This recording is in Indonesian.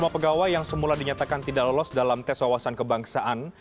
tujuh puluh lima pegawai yang semula dinyatakan tidak lolos dalam tes wawasan kebangsaan